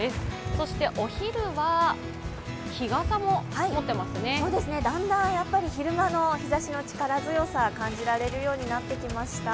そしてお昼は、日傘も持ってますねだんだん昼間の日ざしの力強さ、感じられるようになってきました。